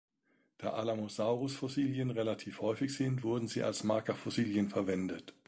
Da "Alamosaurus"-Fossilien relativ häufig sind, wurden sie als Marker-Fossilien verwendet.